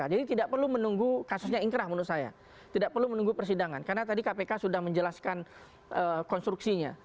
jadi tidak perlu menunggu kasusnya ingkrah menurut saya tidak perlu menunggu persidangan karena tadi kpu sudah menjelaskan konstruksinya